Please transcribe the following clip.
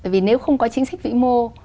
vì nếu không có chính sách vĩ mô